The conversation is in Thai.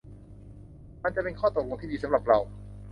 มันจะเป็นข้อตกลงที่ดีสำหรับเรา